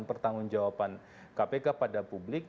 pertanggung jawaban kpk pada publik